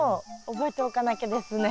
覚えておかなきゃですね。